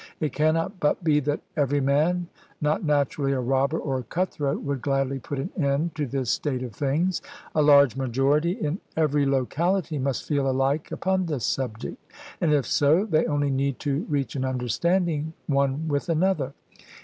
It cannot but be that every man, not naturally a robber or cutthroat, would gladly put an end to this state of things. A large majority in every locality must feel alike upon this subject ; and if so, they only need to reach an understanding one with another.